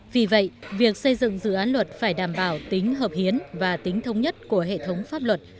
vì vậy việc xây dựng dự án luật phải đảm bảo tính hợp hiến và tính thống nhất của hệ thống pháp luật